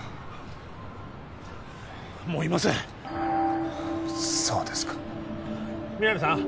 もういませんそうですか皆実さん？